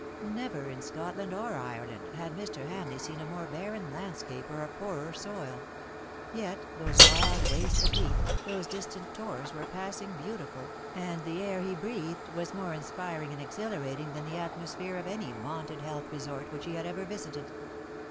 Never in Scotland or Ireland had Mr. Hamleigh seen a more barren landscape or a poorer soil; yet those wild w^astes of heath, those distant tors were passing beautiful, and the air he breathed was more inspiring and exhilarating than the atmosphere of any vaunted health resort which he had ever visited.